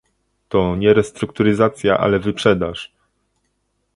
To nie restrukturyzacja, ale wyprzedaż